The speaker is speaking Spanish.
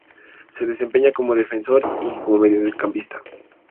Se desempeña como defensor y como mediocampista.